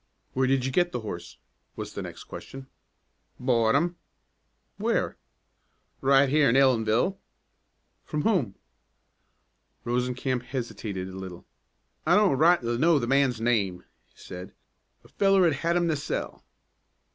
"Where did you get the horse?" was the next question. "Bought 'im." "Where?" "Right here in Ellenville." "From whom?" Rosencamp hesitated a little. "I don't rightly know the man's name," he said. "A feller 'at had 'im to sell."